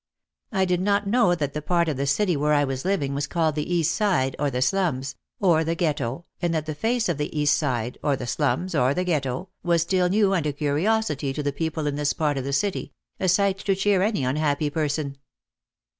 I did not know that the part of the city where I was living was called the East Side, or the Slums, or the Ghetto, and that the face of the East Side, or the Slums, or the Ghetto was still new and a curiosity to the OUT OF THE SHADOW 241 people in this part of the city, a sight to cheer any un happy person.